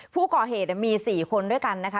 ผู้ก่อเหตุมี๔คนด้วยกันนะคะ